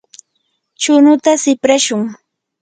chunuta siprashun.